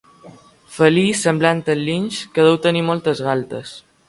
Felí semblant al linx que deu tenir moltes galtes.